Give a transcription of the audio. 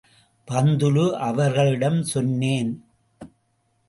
பந்துலு அவர்களிடம் சொன்னேன்.